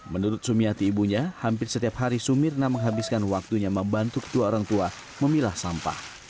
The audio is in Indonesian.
menurut sumiati ibunya hampir setiap hari sumirna menghabiskan waktunya membantu kedua orang tua memilah sampah